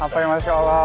apa yang mahasiswa allah